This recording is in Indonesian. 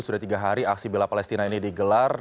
sudah tiga hari aksi bela palestina ini digelar